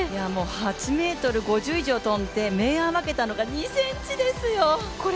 ８ｍ５０以上跳んで、明暗を分けたのが２ｃｍですよ。